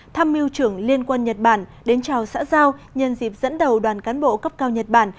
thăm miêu trưởng liên quân nhật bản đến chào xã giao nhân dịp dẫn đầu đoàn cán bộ cấp cao nhật bản